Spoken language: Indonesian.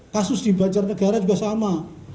kasus di banjarnegara juga sama